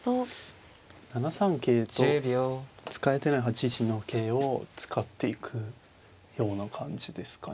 ７三桂と使えてない８一の桂を使っていくような感じですかね。